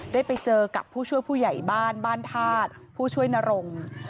ได้ไปเจอกับผู้ช่วยผู้ใหญ่บ้านบ้านธาตุผู้ช่วยนรง